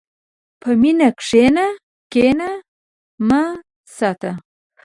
په مینه کښېنه، کینه مه ساته.